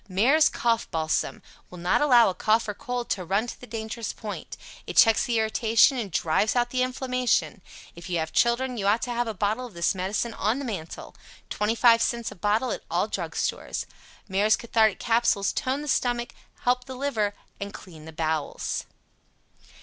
MARES COUGH BALSAM will not allow a Cold or Cough to run to the dangerous point. It checks the irritation and drives out the inflammation. If you have children you ought to have a bottle of this medicine on the mantel. 25c a bottle at all Drug Stores. Mares Cathartic Capsules tone the stomach, help the liver and clean the bowels.